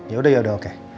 yaudah yaudah oke